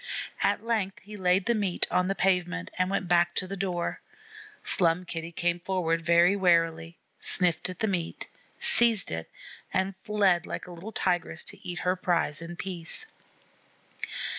At length he laid the meat on the pavement, and went back to the door. Slum Kitty came forward very warily; sniffed at the meat, seized it, and fled like a little Tigress to eat her prize in peace.